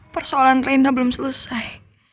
persoalan renda belum selesai